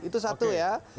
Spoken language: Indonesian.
itu satu ya